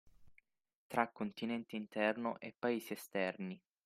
Tra continente interno e paesi esterni.